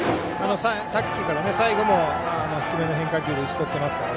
さっきから最後も低めの変化球で打ち取ってますから。